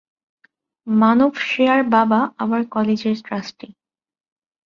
মানভ-শ্রেয়ার বাবা আবার কলেজের ট্রাস্টি।